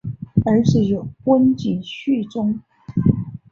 儿子有温井续宗。